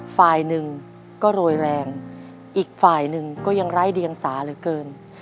ฝ่ายหนึ่งก็โรยแรงอีกฝ่ายหนึ่งก็ยังไร้เดียงสาเหลือเกิน